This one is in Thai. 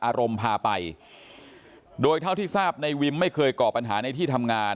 อารมณ์ผ่าไปโดยเท่าที่ทราบนายวิมไม่เคยเกาะปัญหาใน